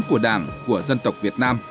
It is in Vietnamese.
của đảng của dân tộc việt nam